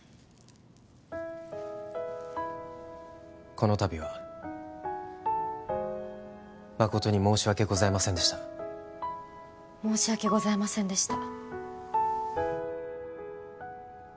このたびは誠に申し訳ございませんでした申し訳ございませんでした